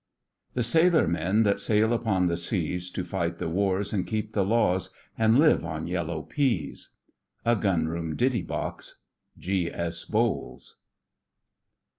... the sailor men That sail upon the seas, To fight the Wars and keep the Laws, And live on yellow peas' 'A Gunroom Ditty Box.' G. S. BOWLES.